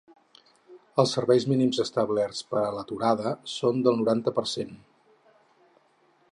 Els serveis mínims establerts per a l’aturada són del noranta per cent.